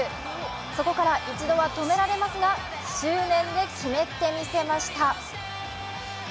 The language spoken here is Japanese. そこから１度は止められますが執念で決めてみせました。